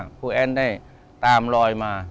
พระเจ้าพระคุณลุงพ่อได้ตามลอยมา